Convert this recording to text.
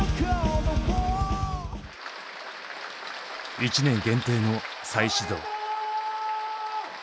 １年限定の再始動。